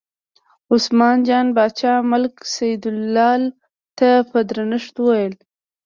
عثمان جان باچا ملک سیدلال ته په درنښت وویل.